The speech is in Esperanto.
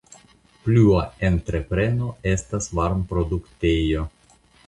Plua entrepreno estas varmproduktejo.